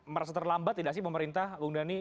merasa terlambat tidak sih pemerintah bung dhani